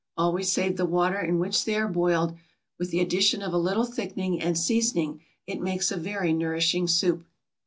Always save the water in which they are boiled; with the addition of a little thickening and seasoning, it makes a very nourishing soup.